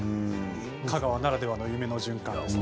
香川ならではの夢の循環です。